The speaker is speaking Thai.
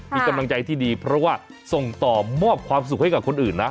มีกำลังใจที่ดีเพราะว่าส่งต่อมอบความสุขให้กับคนอื่นนะ